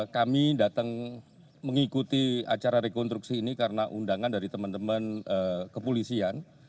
kami datang mengikuti acara rekonstruksi ini karena undangan dari teman teman kepolisian